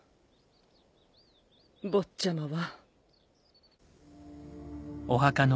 坊ちゃまは。